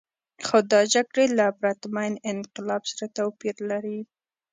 خو دا جګړې له پرتمین انقلاب سره توپیر لري.